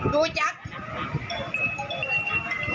รู้จักไหม